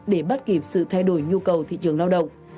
để bắt kịp sự thay đổi nhu cầu thị trường lao động